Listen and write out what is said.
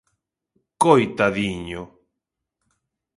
Coitadiño!